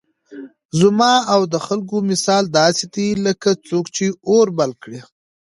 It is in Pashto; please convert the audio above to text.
زما او د خلكو مثال داسي دئ لكه څوك چي اور بل كړي